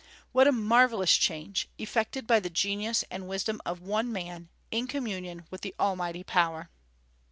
What a marvellous change, effected by the genius and wisdom of one man, in communion with Almighty power!